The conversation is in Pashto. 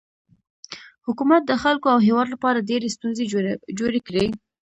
حکومت د خلکو او هیواد لپاره ډیرې ستونزې جوړې کړي.